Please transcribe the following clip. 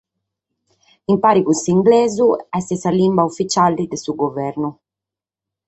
In paris cun s’inglesu, est sa limba ufitziale de su guvernu.